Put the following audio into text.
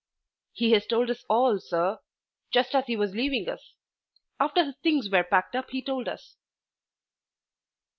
"He has told us all so, just as he was leaving us. After his things were packed up he told us."